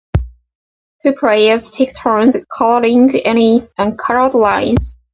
Two players take turns coloring any uncolored lines.